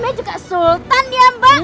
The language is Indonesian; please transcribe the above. saya juga sultan ya mbak